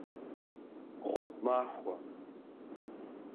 Гъуэгу махуэ!